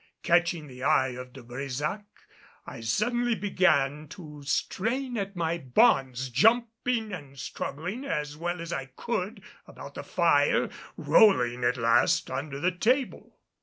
Catching the eye of De Brésac, I suddenly began to strain at my bonds, jumping and struggling as well as I could about the fire, rolling at last under the table.